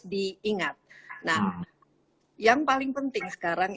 diingat nah yang paling penting sekarang